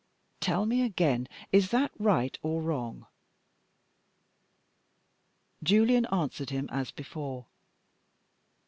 Tell me again, is that right or wrong?" Julian answered him as before.